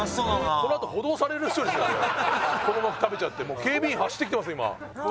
この場で食べちゃってもう警備員走ってきてますよ